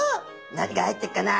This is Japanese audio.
何が入ってるかな。